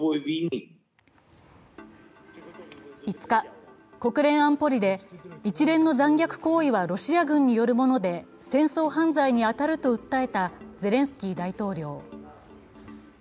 ５日、国連安保理で一連の残虐行為はロシア軍によるもので戦争犯罪に当たると訴えたゼレンスキー大統領。